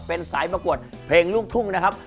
เป็นสายประกวดเพลงลูกทุ่งนะครับ